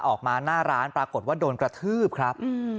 ออกมาหน้าร้านปรากฏว่าโดนกระทืบครับ